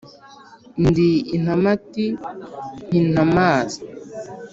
ndi intamati ntintamaza